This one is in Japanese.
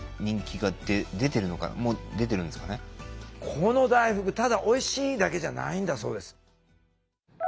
この大福ただおいしいだけじゃないんだそうです。